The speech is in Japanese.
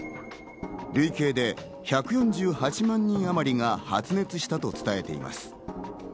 累計で１４８万人あまりが発熱したと伝えています。